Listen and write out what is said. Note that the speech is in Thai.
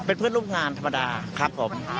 เป็นเพื่อนร่วมงานธรรมดาครับผม